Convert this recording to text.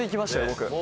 僕。